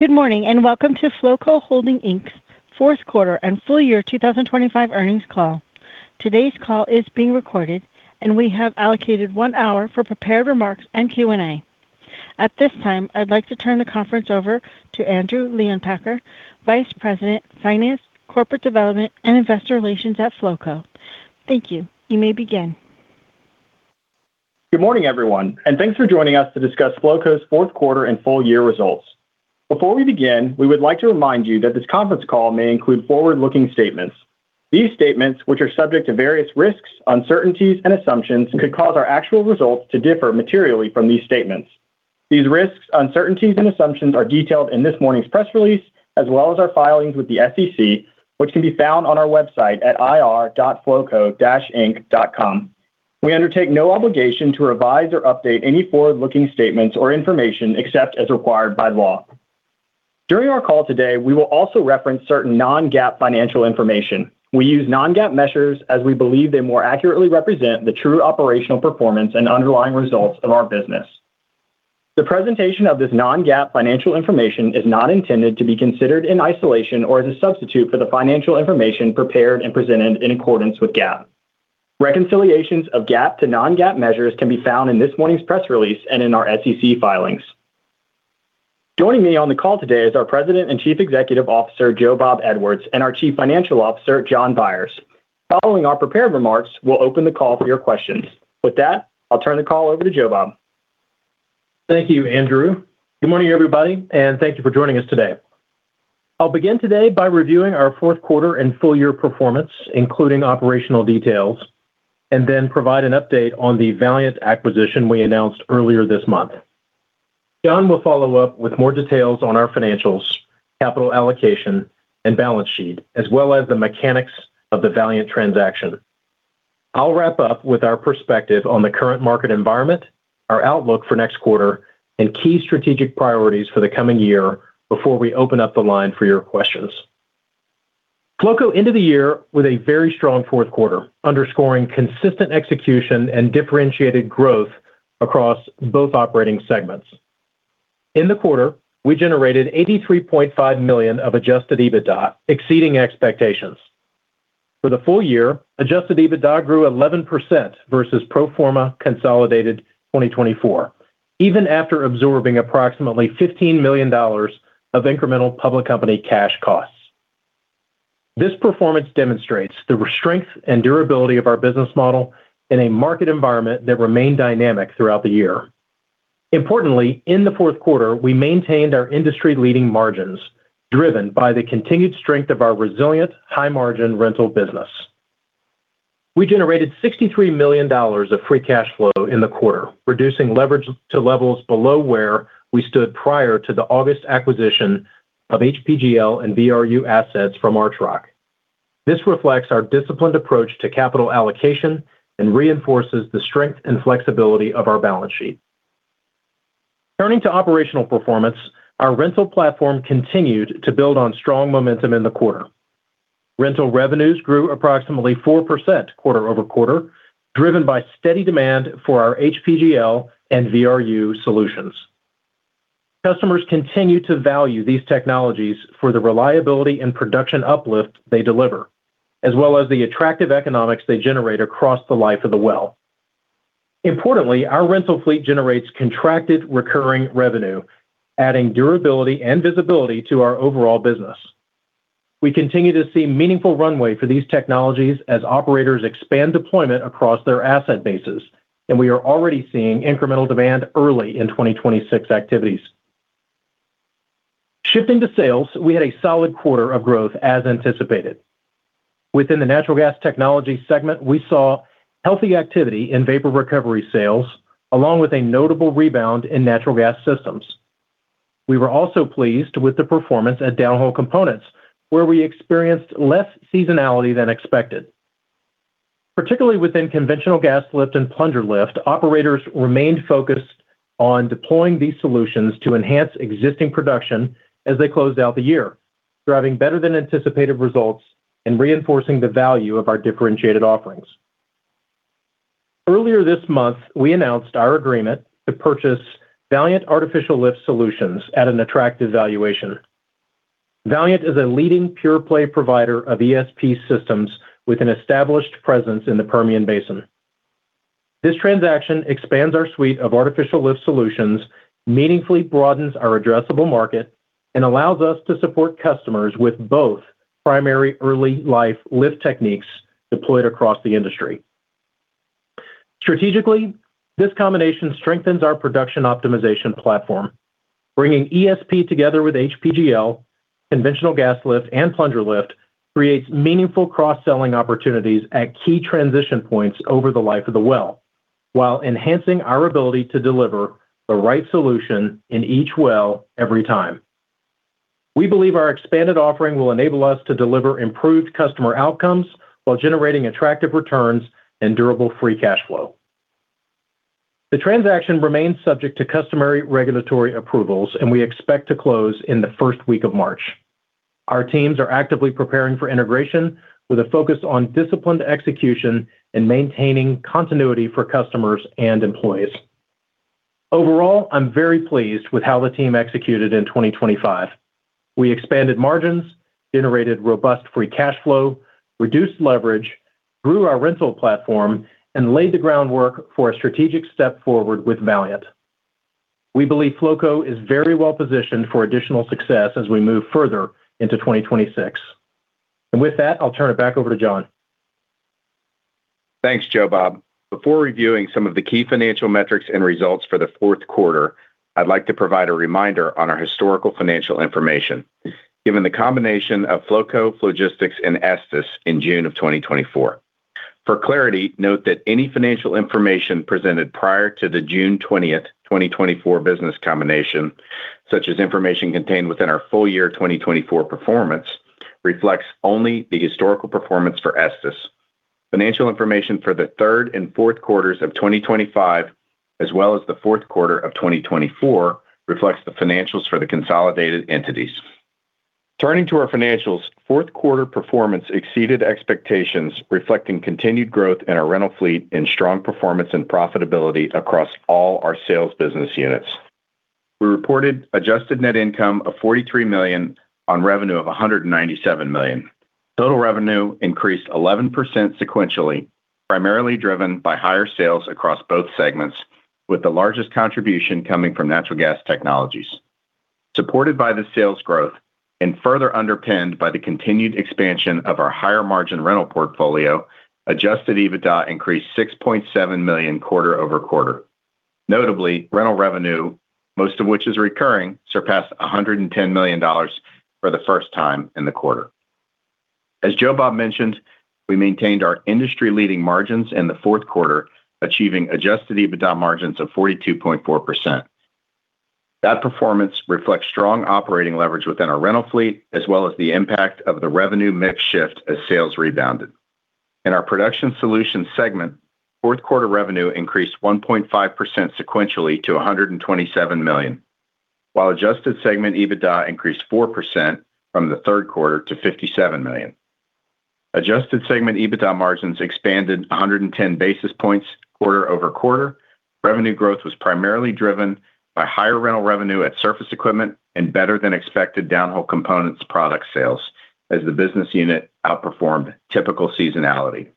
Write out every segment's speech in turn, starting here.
Good morning, and welcome to Flowco Holdings Inc.'s fourth quarter and full year 2025 earnings call. Today's call is being recorded, and we have allocated one hour for prepared remarks and Q&A. At this time, I'd like to turn the conference over to Andrew Leonpacher, Vice President, Finance, Corporate Development, and Investor Relations at Flowco. Thank you. You may begin. Good morning, everyone, and thanks for joining us to discuss Flowco's fourth quarter and full year results. Before we begin, we would like to remind you that this conference call may include forward-looking statements. These statements, which are subject to various risks, uncertainties and assumptions, could cause our actual results to differ materially from these statements. These risks, uncertainties, and assumptions are detailed in this morning's press release, as well as our filings with the SEC, which can be found on our website at ir.flowco-inc.com. We undertake no obligation to revise or update any forward-looking statements or information except as required by law. During our call today, we will also reference certain non-GAAP financial information. We use non-GAAP measures as we believe they more accurately represent the true operational performance and underlying results of our business. The presentation of this non-GAAP financial information is not intended to be considered in isolation or as a substitute for the financial information prepared and presented in accordance with GAAP. Reconciliations of GAAP to non-GAAP measures can be found in this morning's press release and in our SEC filings. Joining me on the call today is our President and Chief Executive Officer, Joe Bob Edwards, and our Chief Financial Officer, Jon Byers. Following our prepared remarks, we'll open the call for your questions. With that, I'll turn the call over to Joe Bob. Thank you, Andrew. Good morning, everybody, and thank you for joining us today. I'll begin today by reviewing our fourth quarter and full year performance, including operational details. Then provide an update on the Valiant acquisition we announced earlier this month. Jon will follow up with more details on our financials, capital allocation, and balance sheet, as well as the mechanics of the Valiant transaction. I'll wrap up with our perspective on the current market environment, our outlook for next quarter, and key strategic priorities for the coming year before we open up the line for your questions. Flowco ended the year with a very strong fourth quarter, underscoring consistent execution and differentiated growth across both operating segments. In the quarter, we generated $83.5 million of Adjusted EBITDA, exceeding expectations. For the full year, Adjusted EBITDA grew 11% versus pro forma consolidated 2024, even after absorbing approximately $15 million of incremental public company cash costs. This performance demonstrates the strength and durability of our business model in a market environment that remained dynamic throughout the year. Importantly, in the fourth quarter, we maintained our industry-leading margins, driven by the continued strength of our resilient, high-margin rental business. We generated $63 million of free cash flow in the quarter, reducing leverage to levels below where we stood prior to the August acquisition of HPGL and VRU assets from Archrock. This reflects our disciplined approach to capital allocation and reinforces the strength and flexibility of our balance sheet. Turning to operational performance, our rental platform continued to build on strong momentum in the quarter. Rental revenues grew approximately 4% quarter-over-quarter, driven by steady demand for our HPGL and VRU solutions. Customers continue to value these technologies for the reliability and production uplift they deliver, as well as the attractive economics they generate across the life of the well. Importantly, our rental fleet generates contracted recurring revenue, adding durability and visibility to our overall business. We continue to see meaningful runway for these technologies as operators expand deployment across their asset bases, and we are already seeing incremental demand early in 2026 activities. Shifting to sales, we had a solid quarter of growth as anticipated. Within the Natural Gas Technologies segment, we saw healthy activity in vapor recovery sales, along with a notable rebound in natural gas systems. We were also pleased with the performance at downhole components, where we experienced less seasonality than expected. Particularly within conventional gas lift and plunger lift, operators remained focused on deploying these solutions to enhance existing production as they closed out the year, driving better-than-anticipated results and reinforcing the value of our differentiated offerings. Earlier this month, we announced our agreement to purchase Valiant Artificial Lift Solutions at an attractive valuation. Valiant is a leading pure-play provider of ESP systems with an established presence in the Permian Basin. This transaction expands our suite of artificial lift solutions, meaningfully broadens our addressable market, and allows us to support customers with both primary early life lift techniques deployed across the industry. Strategically, this combination strengthens our production optimization platform. Bringing ESP together with HPGL, conventional gas lift, and plunger lift creates meaningful cross-selling opportunities at key transition points over the life of the well, while enhancing our ability to deliver the right solution in each well, every time. We believe our expanded offering will enable us to deliver improved customer outcomes while generating attractive returns and durable free cash flow. The transaction remains subject to customary regulatory approvals, and we expect to close in the first week of March.... Our teams are actively preparing for integration with a focus on disciplined execution and maintaining continuity for customers and employees. Overall, I'm very pleased with how the team executed in 2025. We expanded margins, generated robust free cash flow, reduced leverage, grew our rental platform, and laid the groundwork for a strategic step forward with Valiant. We believe Flowco is very well positioned for additional success as we move further into 2026. With that, I'll turn it back over to Jon. Thanks, Joe Bob. Before reviewing some of the key financial metrics and results for the fourth quarter, I'd like to provide a reminder on our historical financial information, given the combination of Flowco, Flogistix, and Estes in June of 2024. Note that any financial information presented prior to the June 20th, 2024 business combination, such as information contained within our full year 2024 performance, reflects only the historical performance for Estes. Financial information for the third and fourth quarters of 2025, as well as the fourth quarter of 2024, reflects the financials for the consolidated entities. Turning to our financials, fourth quarter performance exceeded expectations, reflecting continued growth in our rental fleet and strong performance and profitability across all our sales business units. We reported adjusted net income of $43 million on revenue of $197 million. Total revenue increased 11% sequentially, primarily driven by higher sales across both segments, with the largest contribution coming from Natural Gas Technologies. Supported by the sales growth and further underpinned by the continued expansion of our higher-margin rental portfolio, Adjusted EBITDA increased $6.7 million quarter-over-quarter. Notably, rental revenue, most of which is recurring, surpassed $110 million for the first time in the quarter. As Joe Bob mentioned, we maintained our industry-leading margins in the fourth quarter, achieving Adjusted EBITDA margins of 42.4%. That performance reflects strong operating leverage within our rental fleet, as well as the impact of the revenue mix shift as sales rebounded. In our Production Solutions segment, fourth quarter revenue increased 1.5% sequentially to $127 million, while Adjusted EBITDA increased 4% from the third quarter to $57 million. Adjusted EBITDA margins expanded 110 basis points quarter-over-quarter. Revenue growth was primarily driven by higher rental revenue at surface equipment and better than expected downhole components product sales, as the business unit outperformed typical seasonality.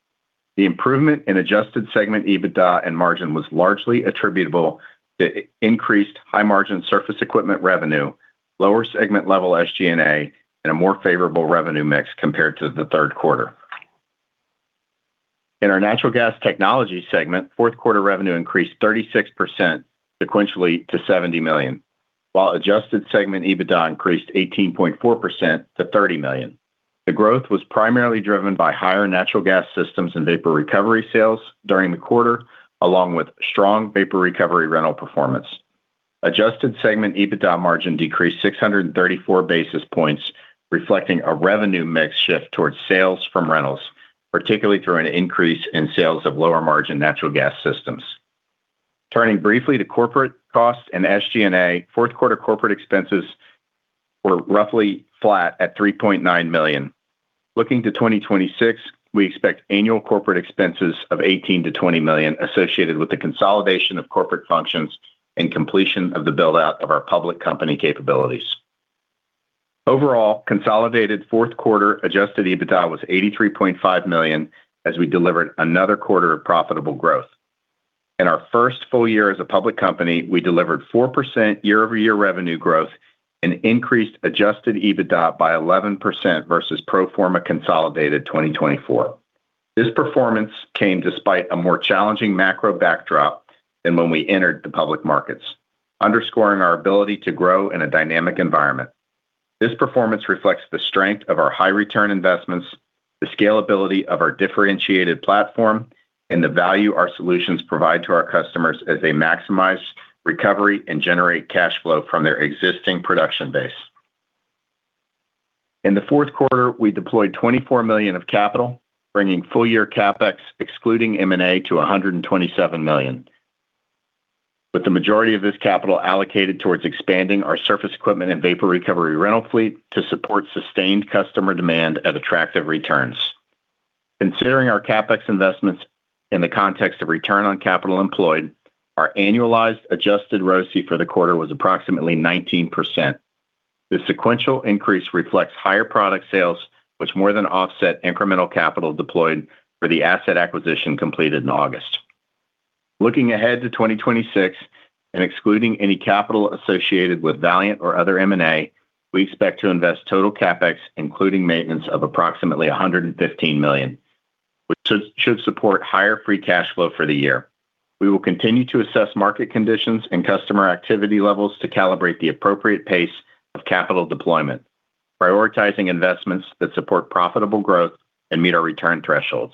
The improvement in Adjusted EBITDA and margin was largely attributable to increased high-margin surface equipment revenue, lower segment-level SG&A, and a more favorable revenue mix compared to the third quarter. In our Natural Gas Technologies segment, fourth quarter revenue increased 36% sequentially to $70 million, while Adjusted EBITDA increased 18.4% to $30 million. The growth was primarily driven by higher natural gas systems and vapor recovery sales during the quarter, along with strong vapor recovery rental performance. Adjusted segment EBITDA margin decreased 634 basis points, reflecting a revenue mix shift towards sales from rentals, particularly through an increase in sales of lower-margin natural gas systems. Turning briefly to corporate costs and SG&A, fourth quarter corporate expenses were roughly flat at $3.9 million. Looking to 2026, we expect annual corporate expenses of $18 million-$20 million associated with the consolidation of corporate functions and completion of the build-out of our public company capabilities. Consolidated fourth quarter Adjusted EBITDA was $83.5 million, as we delivered another quarter of profitable growth. In our first full year as a public company, we delivered 4% year-over-year revenue growth and increased Adjusted EBITDA by 11% versus pro forma consolidated 2024. This performance came despite a more challenging macro backdrop than when we entered the public markets, underscoring our ability to grow in a dynamic environment. This performance reflects the strength of our high-return investments, the scalability of our differentiated platform, and the value our solutions provide to our customers as they maximize recovery and generate cash flow from their existing production base. In the 4th quarter, we deployed $24 million of capital, bringing full-year CapEx, excluding M&A, to $127 million. With the majority of this capital allocated towards expanding our surface equipment and vapor recovery rental fleet to support sustained customer demand at attractive returns. Considering our CapEx investments in the context of return on capital employed, our annualized adjusted ROCE for the quarter was approximately 19%. The sequential increase reflects higher product sales, which more than offset incremental capital deployed for the asset acquisition completed in August. Looking ahead to 2026 and excluding any capital associated with Valiant or other M&A, we expect to invest total CapEx, including maintenance, of approximately $115 million, which should support higher free cash flow for the year. We will continue to assess market conditions and customer activity levels to calibrate the appropriate pace of capital deployment, prioritizing investments that support profitable growth and meet our return thresholds.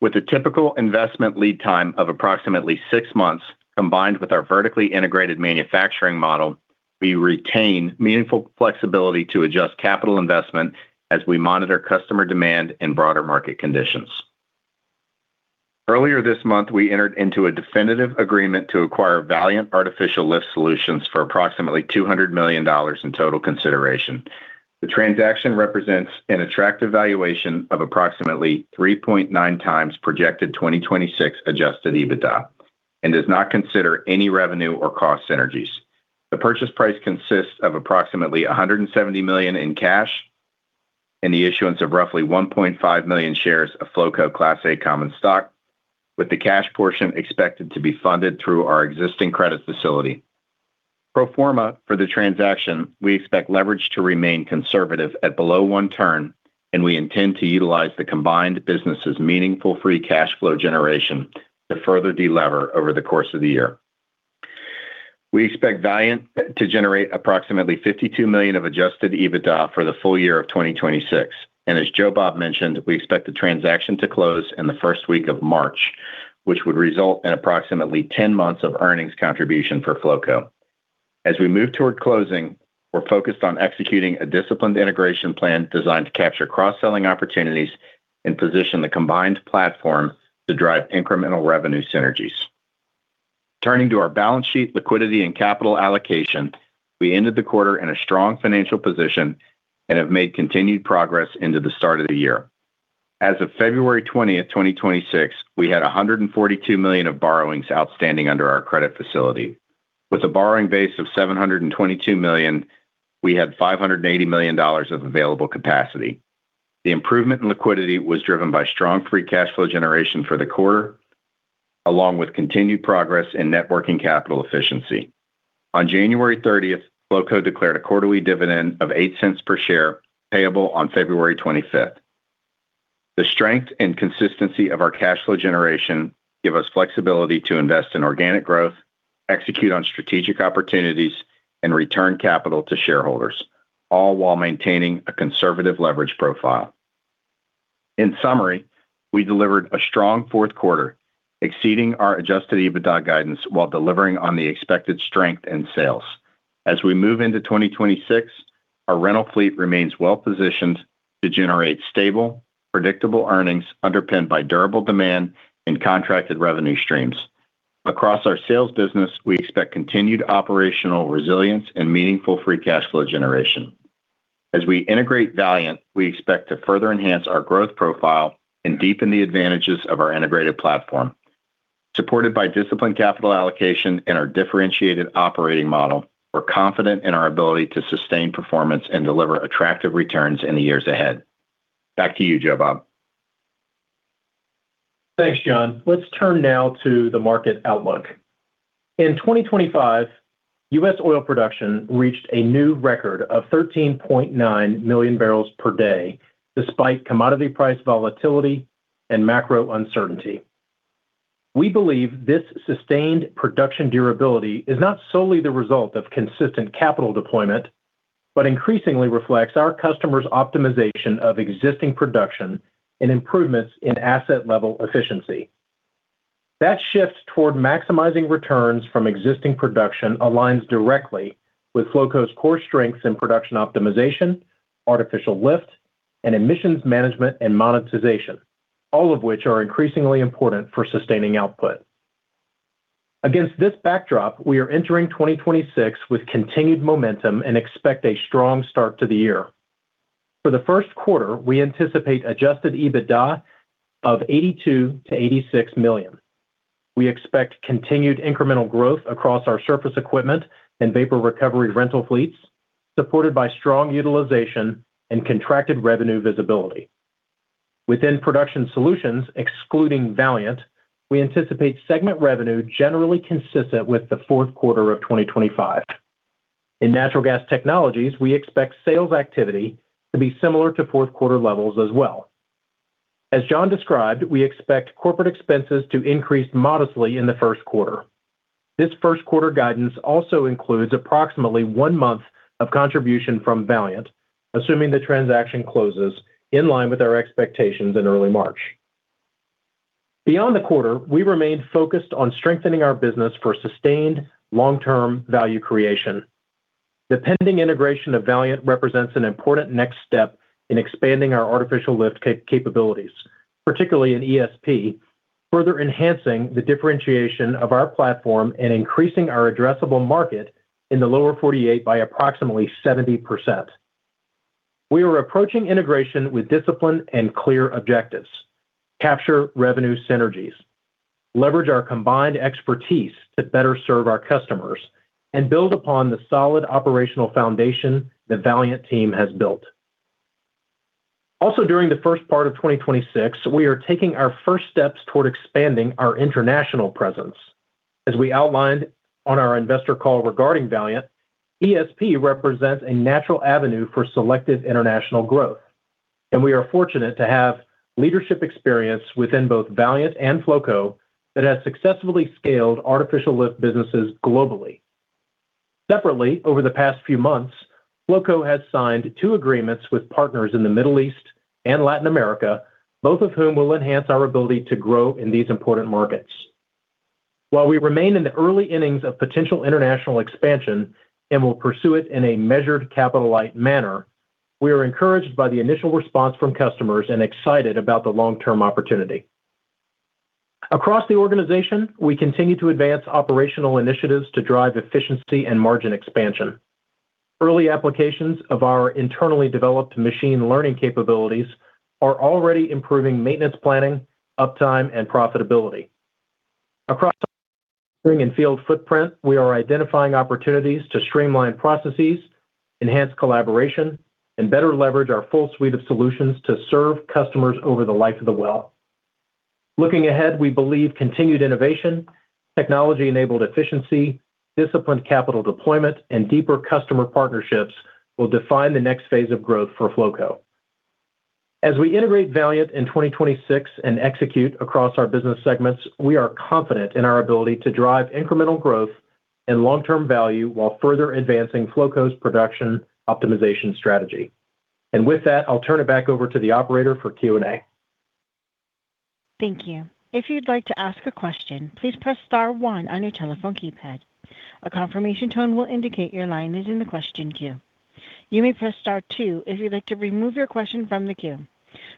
With a typical investment lead time of approximately 6 months, combined with our vertically integrated manufacturing model, we retain meaningful flexibility to adjust capital investment as we monitor customer demand and broader market conditions. Earlier this month, we entered into a definitive agreement to acquire Valiant Artificial Lift Solutions for approximately $200 million in total consideration. The transaction represents an attractive valuation of approximately 3.9x projected 2026 Adjusted EBITDA, and does not consider any revenue or cost synergies. The purchase price consists of approximately $170 million in cash, and the issuance of roughly 1.5 million shares of Flowco Class A common stock, with the cash portion expected to be funded through our existing credit facility. Pro forma for the transaction, we expect leverage to remain conservative at below one turn, and we intend to utilize the combined business's meaningful free cash flow generation to further delever over the course of the year. We expect Valiant to generate approximately $52 million of Adjusted EBITDA for the full year of 2026. As Joe Bob mentioned, we expect the transaction to close in the first week of March, which would result in approximately 10 months of earnings contribution for Flowco. As we move toward closing, we're focused on executing a disciplined integration plan designed to capture cross-selling opportunities and position the combined platform to drive incremental revenue synergies. Turning to our balance sheet, liquidity, and capital allocation, we ended the quarter in a strong financial position and have made continued progress into the start of the year. As of February 20th, 2026, we had $142 million of borrowings outstanding under our credit facility. With a borrowing base of $722 million, we had $580 million of available capacity. The improvement in liquidity was driven by strong free cash flow generation for the quarter, along with continued progress in net working capital efficiency. On January 30th, Flowco declared a quarterly dividend of $0.08 per share, payable on February 25th. The strength and consistency of our cash flow generation give us flexibility to invest in organic growth, execute on strategic opportunities, and return capital to shareholders, all while maintaining a conservative leverage profile. In summary, we delivered a strong fourth quarter, exceeding our Adjusted EBITDA guidance while delivering on the expected strength in sales. As we move into 2026, our rental fleet remains well-positioned to generate stable, predictable earnings, underpinned by durable demand and contracted revenue streams. Across our sales business, we expect continued operational resilience and meaningful free cash flow generation. As we integrate Valiant, we expect to further enhance our growth profile and deepen the advantages of our integrated platform. Supported by disciplined capital allocation and our differentiated operating model, we're confident in our ability to sustain performance and deliver attractive returns in the years ahead. Back to you, Joe Bob. Thanks, Jon. Let's turn now to the market outlook. In 2025, U.S. oil production reached a new record of 13.9 million barrels per day, despite commodity price volatility and macro uncertainty. We believe this sustained production durability is not solely the result of consistent capital deployment, but increasingly reflects our customers' optimization of existing production and improvements in asset-level efficiency. That shift toward maximizing returns from existing production aligns directly with Flowco's core strengths in production optimization, artificial lift, and emissions management and monetization, all of which are increasingly important for sustaining output. Against this backdrop, we are entering 2026 with continued momentum and expect a strong start to the year. For the 1st quarter, we anticipate Adjusted EBITDA of $82 million-$86 million. We expect continued incremental growth across our surface equipment and vapor recovery rental fleets, supported by strong utilization and contracted revenue visibility. Within Production Solutions, excluding Valiant, we anticipate segment revenue generally consistent with the fourth quarter of 2025. In Natural Gas Technologies, we expect sales activity to be similar to fourth quarter levels as well. As Jon described, we expect corporate expenses to increase modestly in the first quarter. This first quarter guidance also includes approximately one month of contribution from Valiant, assuming the transaction closes in line with our expectations in early March. Beyond the quarter, we remain focused on strengthening our business for sustained long-term value creation. The pending integration of Valiant represents an important next step in expanding our artificial lift capabilities, particularly in ESP, further enhancing the differentiation of our platform and increasing our addressable market in the lower 48 by approximately 70%. We are approaching integration with discipline and clear objectives: capture revenue synergies, leverage our combined expertise to better serve our customers, and build upon the solid operational foundation the Valiant team has built. During the first part of 2026, we are taking our first steps toward expanding our international presence. As we outlined on our investor call regarding Valiant, ESP represents a natural avenue for selective international growth, and we are fortunate to have leadership experience within both Valiant and Flowco that has successfully scaled artificial lift businesses globally. Separately, over the past few months, Flowco has signed two agreements with partners in the Middle East and Latin America, both of whom will enhance our ability to grow in these important markets. While we remain in the early innings of potential international expansion and will pursue it in a measured, capital-light manner, we are encouraged by the initial response from customers and excited about the long-term opportunity. Across the organization, we continue to advance operational initiatives to drive efficiency and margin expansion. Early applications of our internally developed machine learning capabilities are already improving maintenance planning, uptime, and profitability. Across rig and field footprint, we are identifying opportunities to streamline processes, enhance collaboration, and better leverage our full suite of solutions to serve customers over the life of the well. Looking ahead, we believe continued innovation, technology-enabled efficiency, disciplined capital deployment, and deeper customer partnerships will define the next phase of growth for Flowco. As we integrate Valiant in 2026 and execute across our business segments, we are confident in our ability to drive incremental growth and long-term value while further advancing Flowco's production optimization strategy. With that, I'll turn it back over to the operator for Q&A. Thank you. If you'd like to ask a question, please press star one on your telephone keypad. A confirmation tone will indicate your line is in the question queue. You may press star two if you'd like to remove your question from the queue.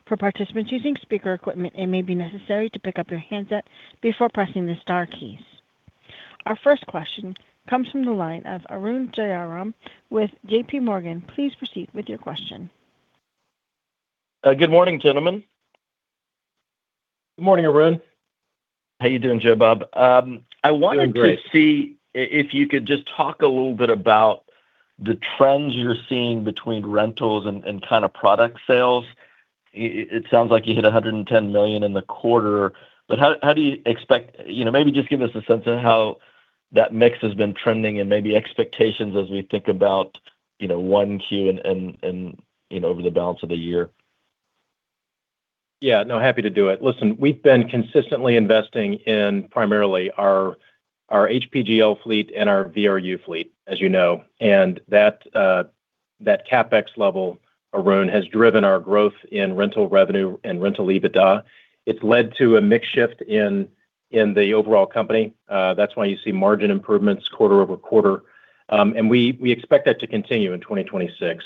For participants using speaker equipment, it may be necessary to pick up your handset before pressing the star keys. Our first question comes from the line of Arun Jayaram with JPMorgan. Please proceed with your question. Good morning, gentlemen. Good morning, Arun. How are you doing, Joe Bob? Doing great. To see if you could just talk a little bit about the trends you're seeing between rentals and kind of product sales. It sounds like you hit $110 million in the quarter, how do you expect, you know, maybe just give us a sense of how that mix has been trending and maybe expectations as we think about, you know, 1Q and, you know, over the balance of the year? No, happy to do it. Listen, we've been consistently investing in primarily our HPGL fleet and our VRU fleet, as you know, and that CapEx level, Arun, has driven our growth in rental revenue and rental EBITDA. It's led to a mix shift in the overall company. That's why you see margin improvements quarter-over-quarter, and we expect that to continue in 2026.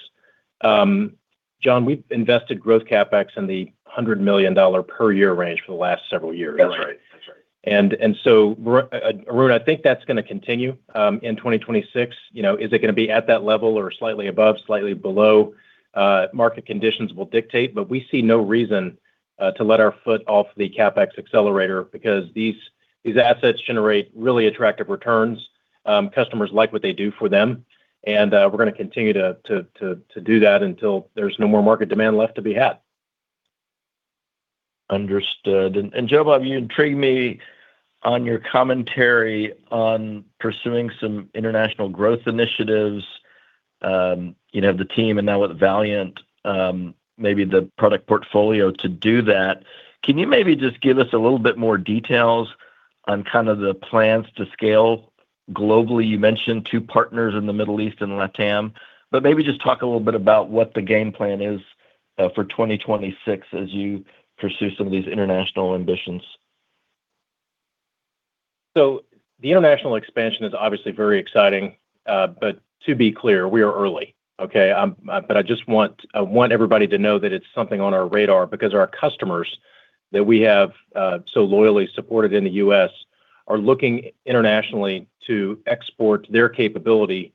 Jon, we've invested growth CapEx in the $100 million per year range for the last several years. That's right. That's right. Arun, I think that's gonna continue in 2026. You know, is it gonna be at that level or slightly above, slightly below? Market conditions will dictate, but we see no reason to let our foot off the CapEx accelerator because these assets generate really attractive returns, customers like what they do for them, and we're gonna continue to do that until there's no more market demand left to be had. Understood. Joe Bob, you intrigued me on your commentary on pursuing some international growth initiatives. You know, the team and now with Valiant, maybe the product portfolio to do that. Can you maybe just give us a little bit more details on kind of the plans to scale globally? You mentioned two partners in the Middle East and LATAM, but maybe just talk a little bit about what the game plan is for 2026 as you pursue some of these international ambitions? The international expansion is obviously very exciting, but to be clear, we are early, okay. I want everybody to know that it's something on our radar because our customers that we have so loyally supported in the U.S. are looking internationally to export their capability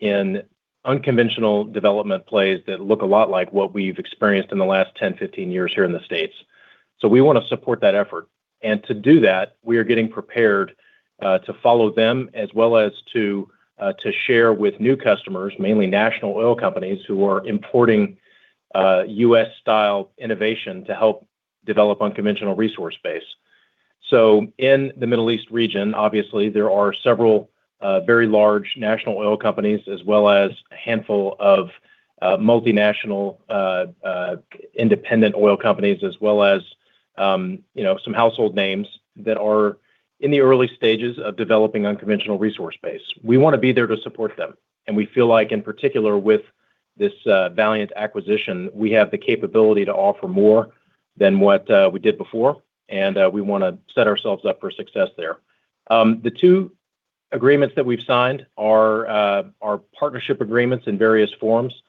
in unconventional development plays that look a lot like what we've experienced in the last 10, 15 years here in the States. We want to support that effort, and to do that, we are getting prepared to follow them, as well as to share with new customers, mainly national oil companies, who are importing U.S.-style innovation to help develop unconventional resource base. In the Middle East region, obviously, there are several very large national oil companies, as well as a handful of multinational independent oil companies, as well as, you know, some household names that are in the early stages of developing unconventional resource base. We wanna be there to support them, and we feel like, in particular, with this Valiant acquisition, we have the capability to offer more than what we did before, and we wanna set ourselves up for success there. The two agreements that we've signed are partnership agreements in various forms.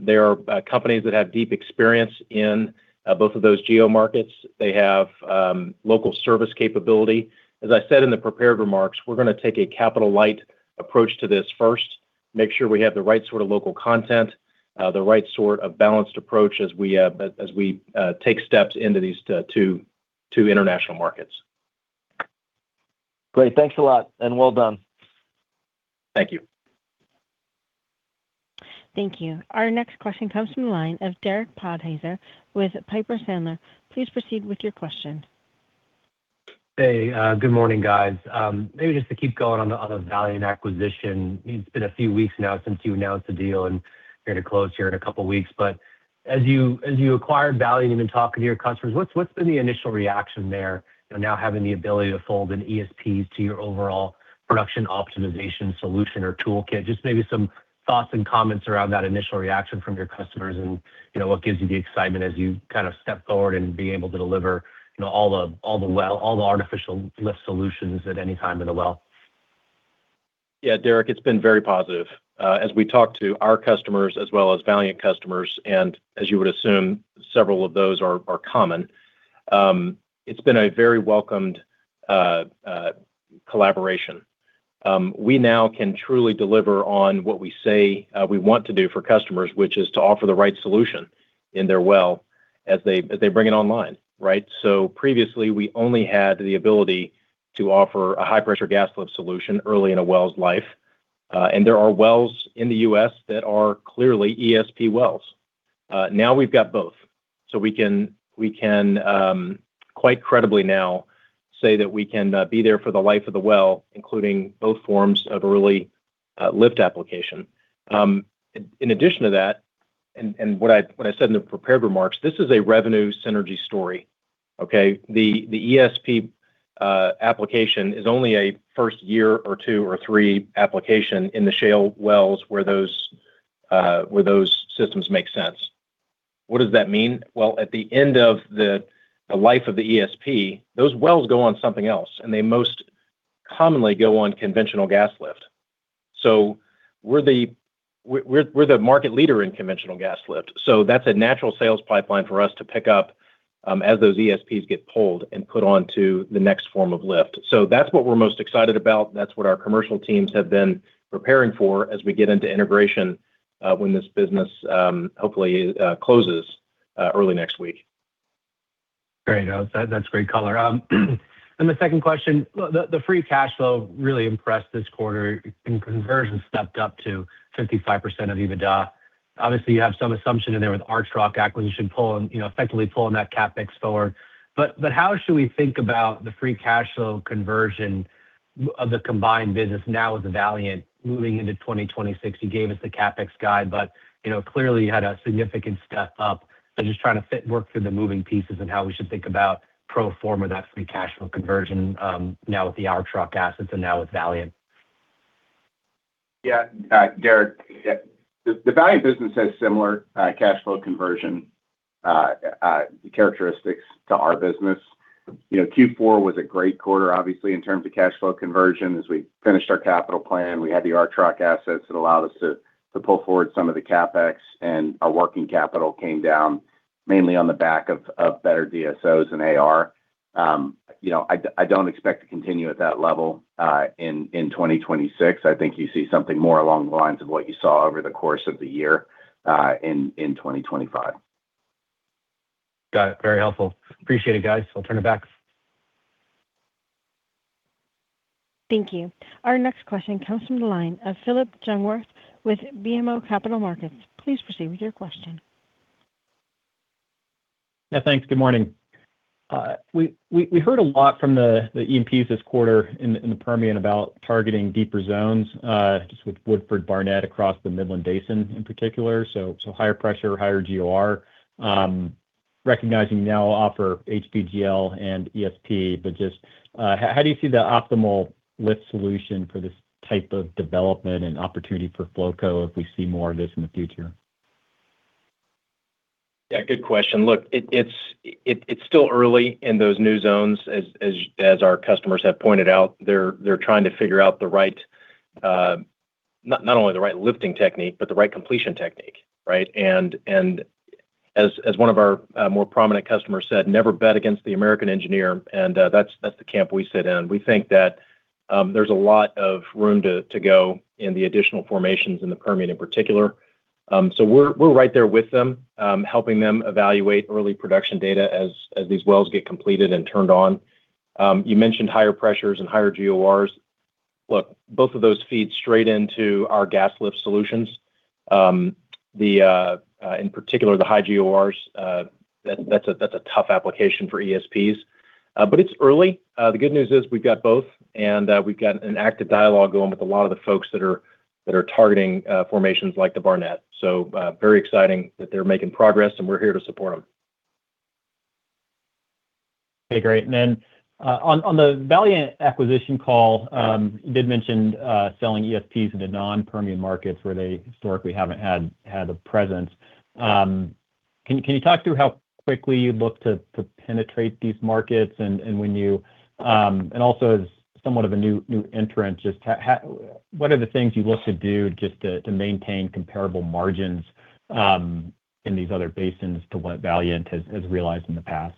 They are companies that have deep experience in both of those geo markets. They have local service capability. As I said in the prepared remarks, we're gonna take a capital-light approach to this first, make sure we have the right sort of local content, the right sort of balanced approach as we take steps into these 2 international markets. Great. Thanks a lot, and well done. Thank you. Thank you. Our next question comes from the line of Derek Podhaizer with Piper Sandler. Please proceed with your question. Hey, good morning, guys. Maybe just to keep going on the Valiant acquisition. It's been a few weeks now since you announced the deal. You're gonna close here in a couple of weeks. As you acquired Valiant, even talking to your customers, what's been the initial reaction there now having the ability to fold in ESPs to your overall production optimization solution or toolkit? Just maybe some thoughts and comments around that initial reaction from your customers, you know, what gives you the excitement as you kind of step forward and being able to deliver, you know, all the artificial lift solutions at any time in the well? Yeah, Derek, it's been very positive. As we talk to our customers as well as Valiant customers, and as you would assume, several of those are common. It's been a very welcomed collaboration. We now can truly deliver on what we say we want to do for customers, which is to offer the right solution in their well as they bring it online, right. Previously, we only had the ability to offer a high-pressure gas lift solution early in a well's life. There are wells in the U.S. that are clearly ESP wells. Now we've got both. We can quite credibly now say that we can be there for the life of the well, including both forms of early lift application. In addition to that, and what I said in the prepared remarks, this is a revenue synergy story, okay? The ESP application is only a first year or 2 or 3 application in the shale wells, where those systems make sense. What does that mean? Well, at the end of the life of the ESP, those wells go on something else, and they most commonly go on conventional gas lift. We're the market leader in conventional gas lift, so that's a natural sales pipeline for us to pick up as those ESPs get pulled and put on to the next form of lift. That's what we're most excited about, and that's what our commercial teams have been preparing for as we get into integration, when this business, hopefully, closes, early next week. Great. That, that's great color. The second question: the free cash flow really impressed this quarter, and conversion stepped up to 55% of EBITDA. Obviously, you have some assumption in there with Archrock acquisition pulling, you know, effectively pulling that CapEx forward. How should we think about the free cash flow conversion of the combined business now with the Valiant moving into 2026? You gave us the CapEx guide, you know, clearly, you had a significant step up. Just trying to work through the moving pieces and how we should think about pro forma, that free cash flow conversion, now with the Archrock assets and now with Valiant. Yeah, Derek, yeah. The Valiant business has similar cash flow conversion characteristics to our business. You know, Q4 was a great quarter, obviously, in terms of cash flow conversion. As we finished our capital plan, we had the Archrock assets that allowed us to pull forward some of the CapEx, and our working capital came down mainly on the back of better DSOs than AR. You know, I don't expect to continue at that level in 2026. I think you see something more along the lines of what you saw over the course of the year in 2025. Got it. Very helpful. Appreciate it, guys. I'll turn it back. Thank you. Our next question comes from the line of Phillip Jungwirth with BMO Capital Markets. Please proceed with your question. Yeah, thanks. Good morning. We heard a lot from the E&Ps this quarter in the Permian about targeting deeper zones, just with Woodford Barnett across the Midland Basin in particular, higher pressure, higher GOR. Recognizing you now offer HPGL and ESP, just, how do you see the optimal lift solution for this type of development and opportunity for Flowco if we see more of this in the future? Yeah, good question. Look, it's still early in those new zones. As our customers have pointed out, they're trying to figure out the right not only the right lifting technique, but the right completion technique, right? As one of our more prominent customers said, "Never bet against the American engineer," and that's the camp we sit in. We think that there's a lot of room to go in the additional formations in the Permian in particular. We're right there with them, helping them evaluate early production data as these wells get completed and turned on. You mentioned higher pressures and higher GORs. Look, both of those feed straight into our gas lift solutions. In particular, the high GORs, that's a tough application for ESPs, but it's early. The good news is we've got both, and we've got an active dialogue going with a lot of the folks that are targeting formations like the Barnett. Very exciting that they're making progress, and we're here to support them. Okay, great. On the Valiant acquisition call, you did mention selling ESPs into non-Permian markets where they historically haven't had a presence. Can you talk through how quickly you look to penetrate these markets? When you... Also, as somewhat of a new entrant, what are the things you look to do just to maintain comparable margins in these other basins to what Valiant has realized in the past?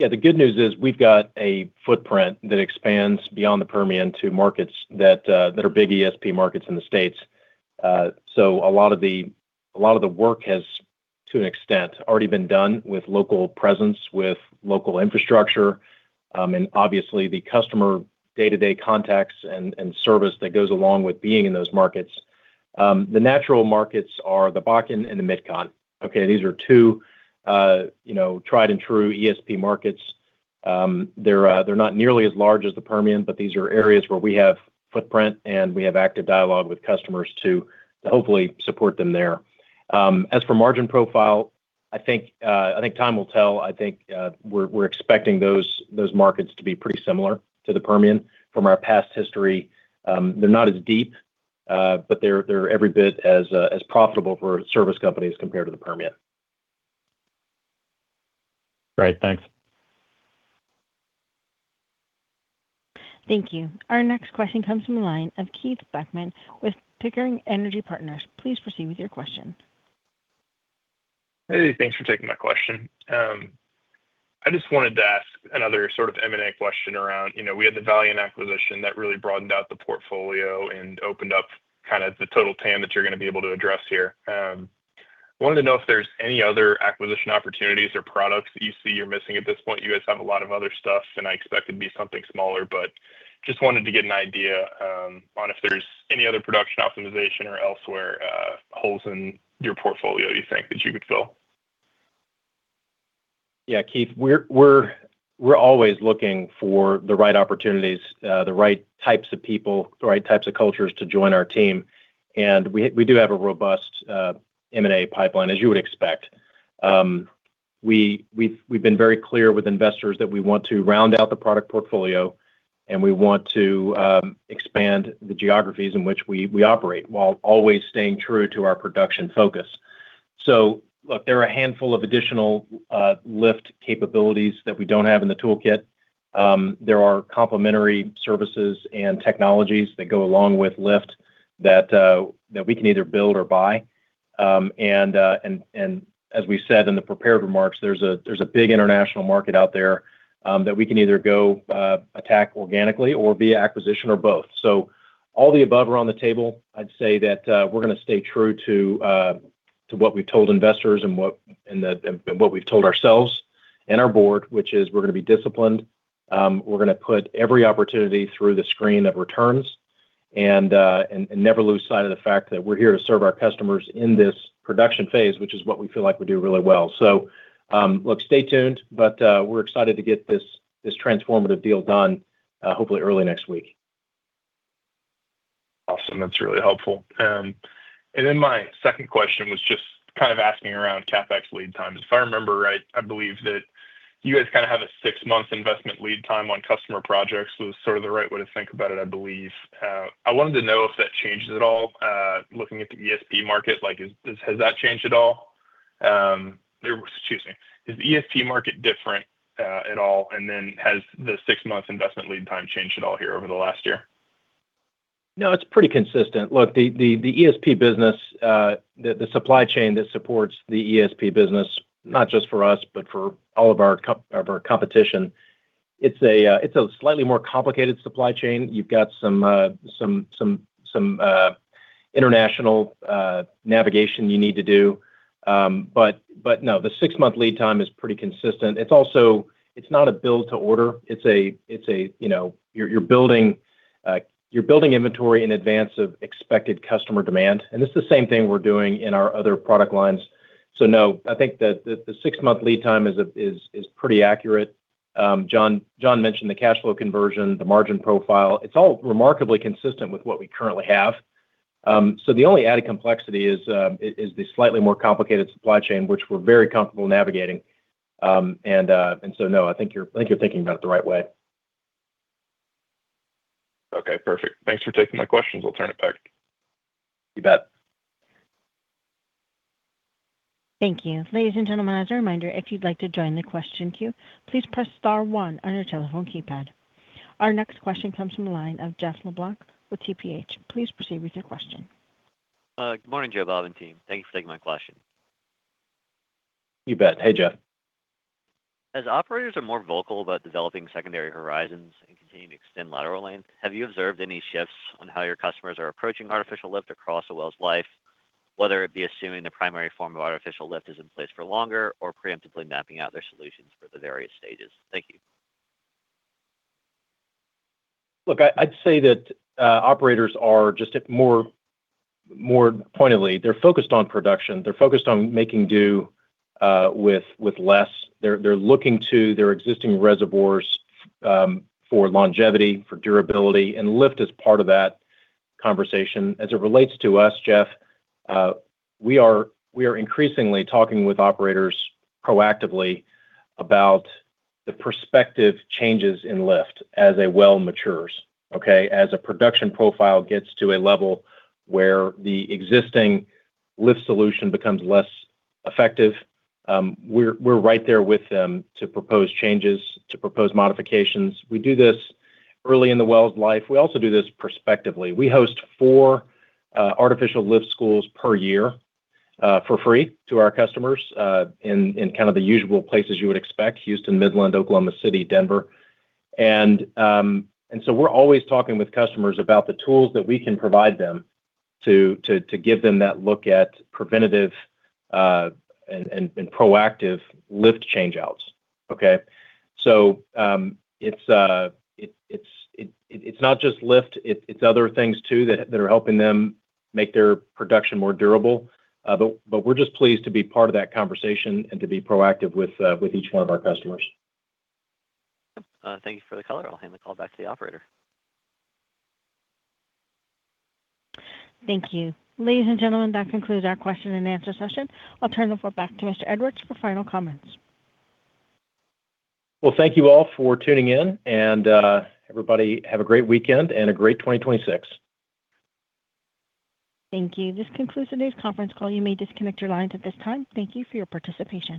The good news is, we've got a footprint that expands beyond the Permian to markets that are big ESP markets in the States. A lot of the work has, to an extent, already been done with local presence, with local infrastructure, and obviously, the customer day-to-day contacts and service that goes along with being in those markets. The natural markets are the Bakken and the MidCon, okay? These are two, you know, tried-and-true ESP markets. They're not nearly as large as the Permian, but these are areas where we have footprint, and we have active dialogue with customers to hopefully support them there. As for margin profile, I think time will tell. I think, we're expecting those markets to be pretty similar to the Permian from our past history. They're not as deep, but they're every bit as profitable for service companies compared to the Permian. Great, thanks. Thank you. Our next question comes from the line of Keith Beckmann with Pickering Energy Partners. Please proceed with your question. Hey, thanks for taking my question. I just wanted to ask another sort of M&A question around, you know, we had the Valiant acquisition that really broadened out the portfolio and opened up kind of the total TAM that you're gonna be able to address here. Wanted to know if there's any other acquisition opportunities or products that you see you're missing at this point. You guys have a lot of other stuff, I expect it to be something smaller, but just wanted to get an idea, on if there's any other production optimization or elsewhere, holes in your portfolio you think that you could fill? Yeah, Keith, we're always looking for the right opportunities, the right types of people, the right types of cultures to join our team. We do have a robust M&A pipeline, as you would expect. We've been very clear with investors that we want to round out the product portfolio, and we want to expand the geographies in which we operate, while always staying true to our production focus. Look, there are a handful of additional lift capabilities that we don't have in the toolkit. There are complementary services and technologies that go along with lift that we can either build or buy. As we said in the prepared remarks, there's a big international market out there that we can either go attack organically or via acquisition or both. All the above are on the table. I'd say that we're gonna stay true to what we've told investors and what we've told ourselves and our board, which is we're gonna be disciplined. We're gonna put every opportunity through the screen of returns and never lose sight of the fact that we're here to serve our customers in this production phase, which is what we feel like we do really well. Look, stay tuned, we're excited to get this transformative deal done hopefully early next week. Awesome. That's really helpful. My second question was just kinda asking around CapEx lead times. If I remember right, I believe that you guys kinda have a 6-month investment lead time on customer projects was sort of the right way to think about it, I believe. I wanted to know if that changed at all, looking at the ESP market, has that changed at all? Excuse me. Is the ESP market different at all? Has the 6-month investment lead time changed at all here over the last year? It's pretty consistent. The ESP business, the supply chain that supports the ESP business, not just for us, but for all of our competition, it's a slightly more complicated supply chain. You've got some international navigation you need to do. The 6-month lead time is pretty consistent. It's also not a build to order. It's a, you know, you're building inventory in advance of expected customer demand. This is the same thing we're doing in our other product lines. I think that the 6-month lead time is pretty accurate. Jon mentioned the cash flow conversion, the margin profile. It's all remarkably consistent with what we currently have. The only added complexity is the slightly more complicated supply chain, which we're very comfortable navigating. No, I think you're thinking about it the right way. Okay, perfect. Thanks for taking my questions. I'll turn it back. You bet. Thank you. Ladies and gentlemen, as a reminder, if you'd like to join the question queue, please press star one on your telephone keypad. Our next question comes from the line of Jeff LeBlanc with TPH. Please proceed with your question. Good morning, Joe Bob and team. Thank you for taking my question. You bet. Hey, Jeff. As operators are more vocal about developing secondary horizons and continuing to extend lateral lanes, have you observed any shifts on how your customers are approaching artificial lift across a well's life, whether it be assuming the primary form of artificial lift is in place for longer or preemptively mapping out their solutions for the various stages? Thank you. Look, I'd say that operators are just more pointedly, they're focused on production. They're focused on making do with less. They're looking to their existing reservoirs for longevity, for durability, and lift is part of that conversation. As it relates to us, Jeff, we are increasingly talking with operators proactively about the prospective changes in lift as a well matures, okay? As a production profile gets to a level where the existing lift solution becomes less effective, we're right there with them to propose changes, to propose modifications. We do this early in the well's life. We also do this perspectively. We host four artificial lift schools per year for free to our customers in kind of the usual places you would expect: Houston, Midland, Oklahoma City, Denver. We're always talking with customers about the tools that we can provide them to give them that look at preventative and proactive lift change-outs, okay. It's not just lift, it's other things too that are helping them make their production more durable. We're just pleased to be part of that conversation and to be proactive with each one of our customers. Thank you for the color. I'll hand the call back to the operator. Thank you. Ladies and gentlemen, that concludes our question and answer session. I'll turn the floor back to Mr. Edwards for final comments. Well, thank you all for tuning in, and, everybody, have a great weekend and a great 2026. Thank you. This concludes today's conference call. You may disconnect your lines at this time. Thank you for your participation.